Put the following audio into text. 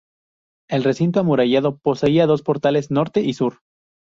El recinto amurallado poseía dos portales, norte y sur.